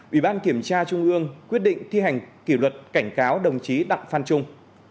ủy ban kiểm tra trung ương quyết định thi hành kỷ luật cảnh cáo đồng chí đặng phan trung